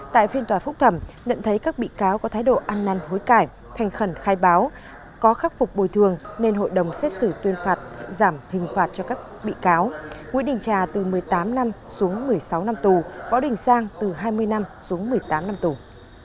trước đó ngày một mươi một tháng hai tại phiên tòa sơ thẩm hội đồng xét xử tuyên phạt các bị cáo nguyễn đình trà một mươi tám năm tù giam cùng với hai tội sử dụng mạng máy tính mạng viễn thông phương tiện điện tử thực hiện hành vi chiếm đoạt tài sản